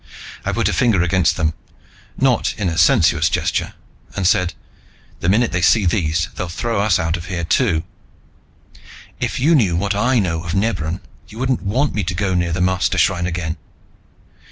I put a finger against them, not in a sensuous gesture, and said, "The minute they see these, they'll throw us out of here, too." "If you knew what I know of Nebran, you wouldn't want me to go near the Mastershrine again!"